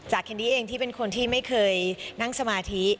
แคนดี้เองที่เป็นคนที่ไม่เคยนั่งสมาธิ